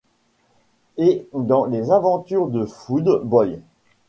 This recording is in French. Et dans Les Aventures de Food Boy.